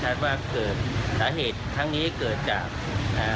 สาเหตุทั้งนี้เกิดจากสาเหตุจากรถหรือสาเหตุจากคนขับรถอะไรกันแน่